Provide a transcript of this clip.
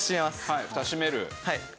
はいフタ閉める。